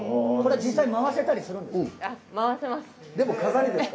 実際回せたりするんですか？